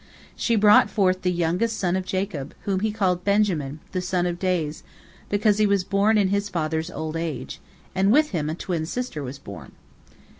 She brought forth the youngest son of Jacob, whom he called Benjamin, the son of days, because he was born in his father's old age, and with him a twin sister was born.